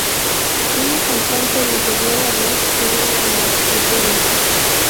Una cantante le dobló la voz en una de las escenas.